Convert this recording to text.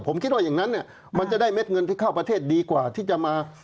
ผมคิดว่าอย่างนั้นเนี่ยมันจะได้เม็ดเงินที่เข้าประเทศดีกว่าที่จะมา